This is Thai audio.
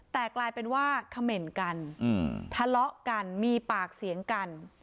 แต่กลายเป็นว่าเขม่นกันทะเลาะกันมีปากเสียงกัน